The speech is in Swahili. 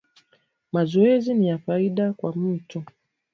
Mazowezi niya faida kwa mtu